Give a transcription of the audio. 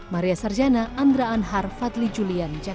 maria sarjana andra anhar fadli julian jakarta